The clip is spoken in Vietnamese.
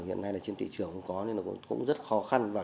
hiện nay trên thị trường cũng có nên cũng rất khó